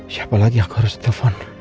siapa lagi aku harus telfon